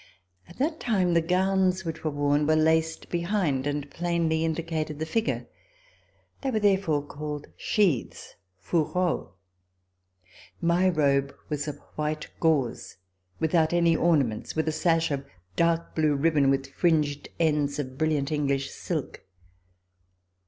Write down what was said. At that time the gowns which were worn were laced behind and plainly indicated the figure. They were therefore called "sheaths" {fourreaux). My robe was of white gauze, without any ornaments, with a sash of dark blue ribbon with fringed ends of brilliant English silk.